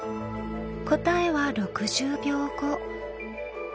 答えは６０秒後。